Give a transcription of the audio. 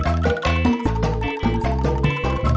gak enak ada pelayanan foreign